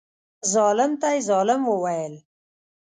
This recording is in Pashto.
ظالم ته یې ظالم وویل.